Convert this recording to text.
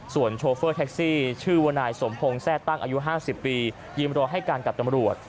ส่วนโชเฟอร์แท็กซี่ชื่อว่านายสมพงศ์แทร่ตั้งอายุ๕๐ปียืมรอให้การกับตำรวจ